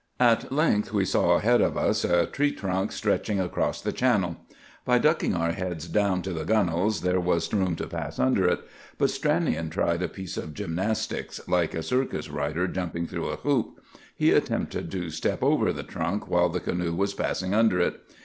At length we saw ahead of us a tree trunk stretching across the channel. By ducking our heads down to the gunwales there was room to pass under it. But Stranion tried a piece of gymnastics, like a circus rider jumping through a hoop. He attempted to step over the trunk while the canoe was passing under it.